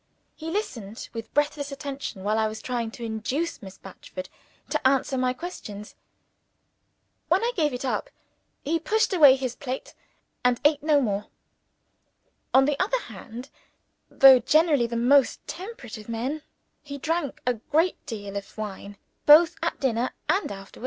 He listened with breathless attention while I was trying to induce Miss Batchford to answer my questions. When I gave it up, he pushed away his plate, and ate no more. On the other hand (though generally the most temperate of men) he drank a great deal of wine, both at dinner and after.